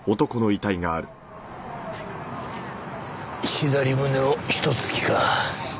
左胸をひと突きか。